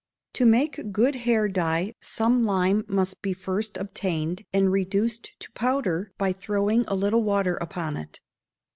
To make good hair dye some lime must be first obtained, and reduced to powder by throwing a little water upon it.